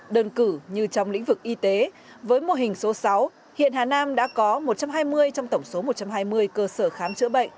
đơn cử như trong lĩnh vực y tế với mô hình số sáu hiện hà nam đã có một trăm hai mươi trong tổng số một trăm hai mươi cơ sở khám chữa bệnh